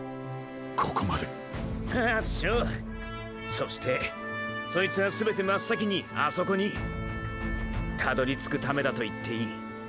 そしてそいつは全て真っ先にあそこにたどりつくためだと言っていい！！